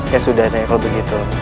ya sudah deh kalau begitu